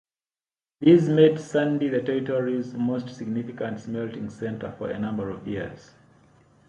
These made Sandy the territory's most significant smelting center for a number of years.